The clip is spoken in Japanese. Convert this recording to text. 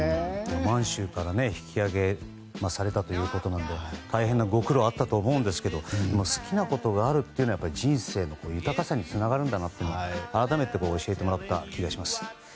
満州から引き揚げされたということなので大変なご苦労あったと思うんですが好きなことがあるのは人生の豊かさにつながるんだと改めて教えてもらった気がします。